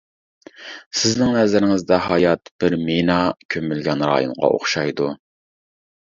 سىزنىڭ نەزىرىڭىزدە، ھايات بىر مىنا كۆمۈلگەن رايونغا ئوخشايدۇ.